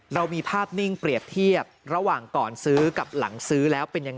เรามีภาพนิ่งเปรียบเทียบระหว่างก่อนซื้อกับหลังซื้อแล้วเป็นยังไง